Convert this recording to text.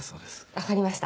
分かりました。